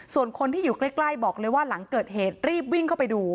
ส่วนคนที่อยู่ใกล้บอกเลยว่าหลังเกิดเหตุรีบวิ่งเข้าไปดู